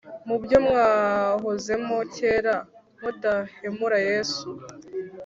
mu byo mwahozemo kera, mudahemura yesu !